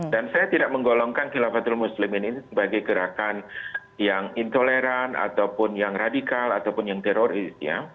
dan saya tidak menggolongkan khilafatul muslim ini sebagai gerakan yang intoleran ataupun yang radikal ataupun yang teroris ya